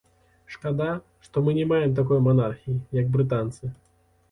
Шкада, што мы не маем такой манархіі, як брытанцы.